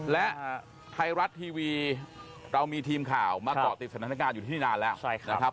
และไทยรัฐทีวีเรามีทีมข่าวมาเกาะติดสถานการณ์อยู่ที่นี่นานแล้วนะครับ